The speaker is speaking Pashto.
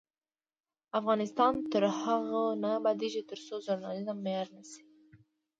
افغانستان تر هغو نه ابادیږي، ترڅو ژورنالیزم معیاري نشي.